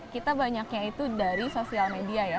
kita banyaknya itu dari sosial media ya